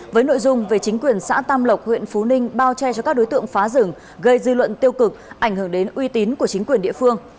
với nội dung về chính quyền xã tam lộc huyện phú ninh bao che cho các đối tượng phá rừng gây dư luận tiêu cực ảnh hưởng đến uy tín của chính quyền địa phương